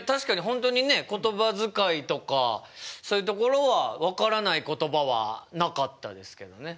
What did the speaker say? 本当にね言葉遣いとかそういうところは分からない言葉はなかったですけどね。